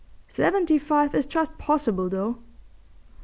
Seventy five is just possible, though.